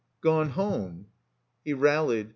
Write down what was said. "Gone home." He rallied.